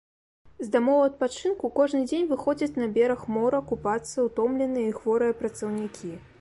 З дамоў адпачынку кожны дзень выходзяць на бераг мора купацца ўтомленыя і хворыя працаўнікі.